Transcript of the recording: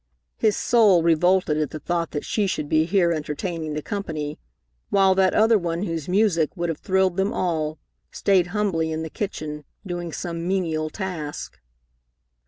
His soul revolted at the thought that she should be here entertaining the company, while that other one whose music would have thrilled them all stayed humbly in the kitchen, doing some menial task.